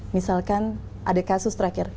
misalkan ada kasus terakhir